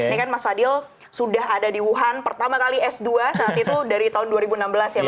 ini kan mas fadil sudah ada di wuhan pertama kali s dua saat itu dari tahun dua ribu enam belas ya mas